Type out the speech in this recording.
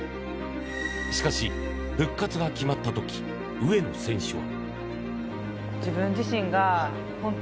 しかし、復活が決まった時上野選手は。